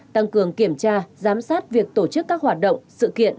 tăng cường kiểm tra giám sát việc tổ chức các hoạt động sự kiện